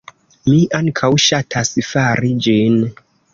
Mi ankaŭ ŝatas fari ĝin.